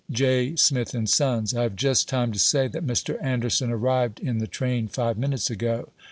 5 J. Smith ahd Soss, — I have just time to say that Mr. Anderson arrived in the train five minutes ago.